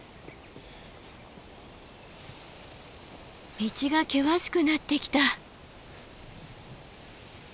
道が険しくなってきた。